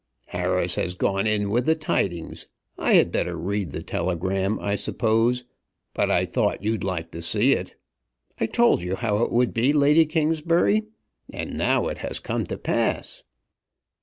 "Harris has gone in with the tidings. I had better read the telegram, I suppose, but I thought you'd like to see it. I told you how it would be, Lady Kingsbury; and now it has come to pass."